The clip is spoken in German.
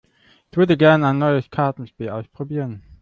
Ich würde gerne ein neues Kartenspiel ausprobieren.